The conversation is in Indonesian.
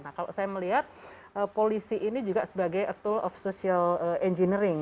nah kalau saya melihat polisi ini juga sebagai tool of social engineering